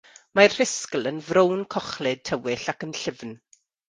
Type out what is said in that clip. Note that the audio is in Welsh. Mae'r rhisgl yn frown cochlyd tywyll ac yn llyfn.